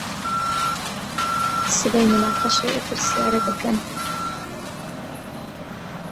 سبەی موناقەشەی ئەو پرسیارە دەکەن.